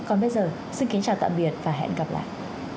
còn bây giờ xin kính chào tạm biệt và hẹn gặp lại